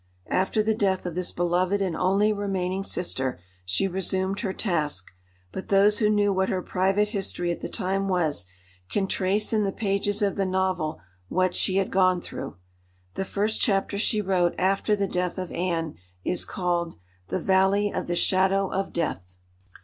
After the death of this beloved and only remaining sister, she resumed her task; but those who knew what her private history at the time was, can trace in the pages of the novel what she had gone through. The first chapter she wrote after the death of Anne is called, "The Valley of the Shadow of Death."